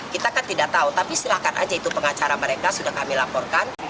kita kan tidak tahu tapi silahkan aja itu pengacara mereka sudah kami laporkan